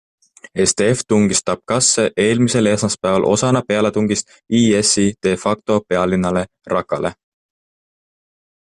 SDF tungis Tabqasse eelmisel esmaspäeval osana pealetungist IS-i de facto pealinnale Raqqale.